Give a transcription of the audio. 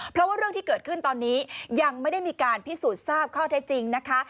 เพราะว่าเรื่องที่เกิดขึ้นตอนนี้ยังไม่ได้มีการพิสูจน์ทราบข้อเท็จจริงนะคะ